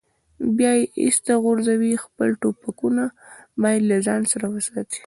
بیا یې ایسته غورځوي، خپل ټوپکونه باید له ځان سره وساتي.